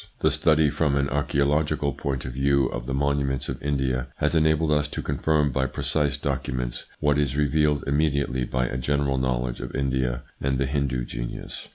The study from an archaeological point of view of the monuments of India has enabled us to confirm by precise documents what is revealed immediately by a general knowledge of India and the Hindu genius.